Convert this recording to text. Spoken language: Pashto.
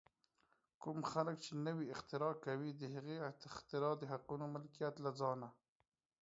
کوم خلک چې نوې اختراع کوي، د هغې اختراع د حقوقو ملکیت له ځان